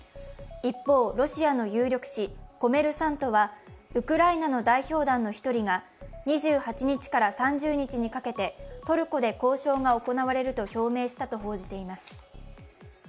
一方、ロシアの有力紙「コメルサント」はウクライナの代表団の１人が２８日から３０日にかけてトルコで交渉が行われると表明したと報じています。